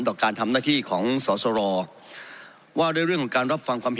ต่อการทำหน้าที่ของสอสรว่าด้วยเรื่องของการรับฟังความ